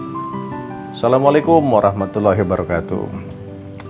assalamualaikum warahmatullahi wabarakatuh